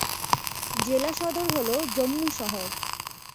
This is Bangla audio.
জেলা সদর হল জম্মু শহর।